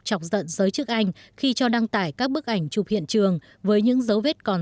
chọc giận giới chức anh khi cho đăng tải các bức ảnh chụp hiện trường với những dấu vết còn